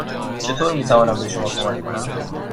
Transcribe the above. چطور می توانم به شما کمک کنم؟